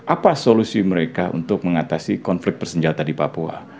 apa solusi mereka untuk mengatasi konflik bersenjata di papua